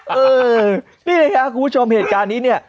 เออนี่แหละครับคุณผู้ชมเหตุการณ์นี้เนี่ย